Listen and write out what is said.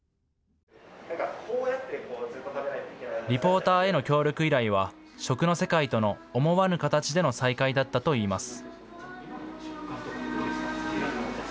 リポーターへの協力依頼は食の世界との思わぬ形での再会だったといいます。